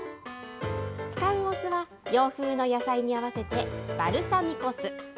使うお酢は洋風の野菜に合わせてバルサミコ酢。